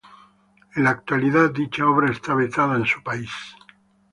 En la actualidad dicha obra está vetada en su país.